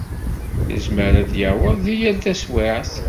Yezmer ad d-yaweḍ deg yal taswiɛt.